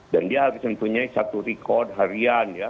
dan dia harus mempunyai satu rekod harian ya